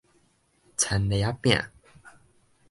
田螺仔餅